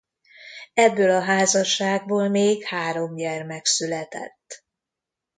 Ebből a házasságból még három gyermek született.